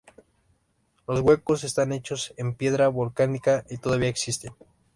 Los huecos están hechos en piedra volcánica y todavía existen.